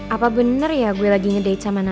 apa bener ya gue lagi ngedate sama nathan